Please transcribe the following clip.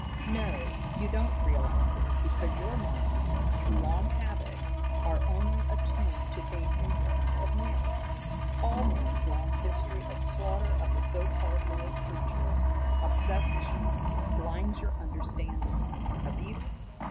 "No, you don't realize it, because your minds, through long habit, are only attuned to think in terms of man. All man's long history of slaughter of the so called lower creatures obsesses you, blinds your understanding. A beetle?